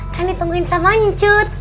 kan ditungguin sama anjur